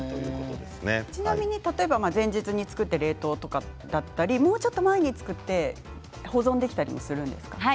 ちなみに前日に作って冷凍だったりもうちょっと前に作って保存できたりもするんですか？